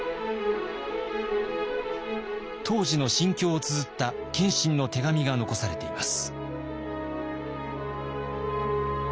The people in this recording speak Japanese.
当時の心境をつづった謙信の手紙が残されています。